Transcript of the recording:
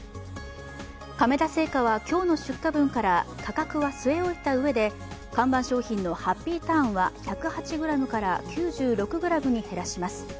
亀田製菓は今日の出荷分から価格は据え置いたうえで看板商品のハッピーターンは１０８ｇから９６ｇに減らします。